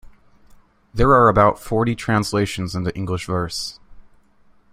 There are about forty translations into English verse.